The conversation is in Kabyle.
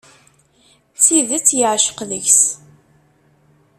D tidet yeεceq deg-s.